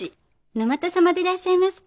沼田様でいらっしゃいますか？